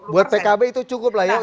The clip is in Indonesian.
buat pkb itu cukup lah ya